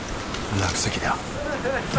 落石だ。